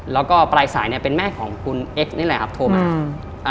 แล้วก็ปลายสายเนี้ยเป็นแม่ของคุณเอ็กซ์นี่แหละครับโทรมาอืมอ่า